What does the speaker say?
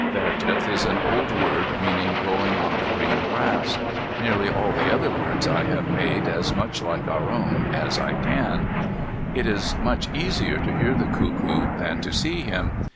Verteth is an old word meaning going on the green grass. Nearly all the other words I have made as much like our own as I can. It is much easier to hear the cuckoo than to see him.